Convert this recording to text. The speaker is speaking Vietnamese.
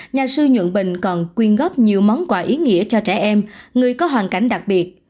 nhà sư nhuận bình còn quyên góp nhiều món quà ý nghĩa cho trẻ em người có hoàn cảnh đặc biệt